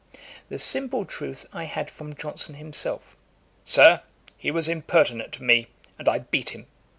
The simple truth I had from Johnson himself. 'Sir, he was impertinent to me, and I beat him.